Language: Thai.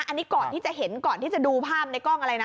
อันนี้ก่อนที่จะเห็นก่อนที่จะดูภาพในกล้องอะไรนะ